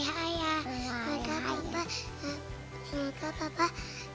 ayah ayah ayah selalu selalu sehat amin